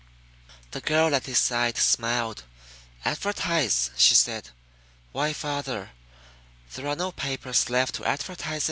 The girl at his side smiled. "Advertise?" she said. "Why, father, there are no papers left to advertise in."